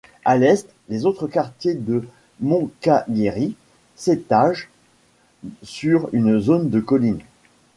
À l'est, les autres quartiers de Moncalieri s'étagent sur une zone de collines.